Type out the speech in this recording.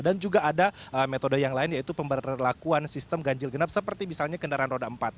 dan juga ada metode yang lain yaitu pemberlakuan sistem ganjil genap seperti misalnya kendaraan roda empat